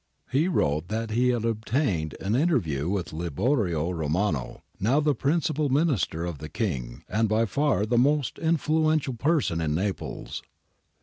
He wrote that he had obtained an inter view with Liborio Romano, now the principal Minister of the King and by far the most influential person in Naples.